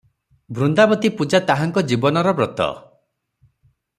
ବୃନ୍ଦାବତୀ ପୂଜା ତାହାଙ୍କ ଜୀବନର ବ୍ରତ ।